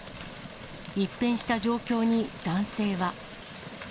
一変した状況に男性は。